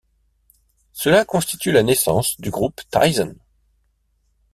Cela constitue la naissance du groupe Thyssen.